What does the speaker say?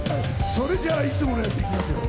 それではいつものやつ行きますよ！